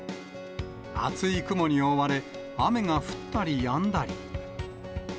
厚い雲に覆われ、雨が降ったりやんだり。